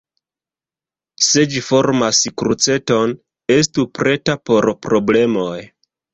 Se ĝi formas kruceton, estu preta por problemoj.